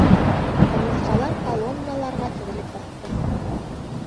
Ҡырмыҫҡалар колонналарға теҙелеп баҫты.